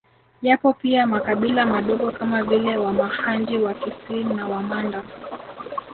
Yapo pia makabila madogo kama vile Wamahanji Wakisi na Wamanda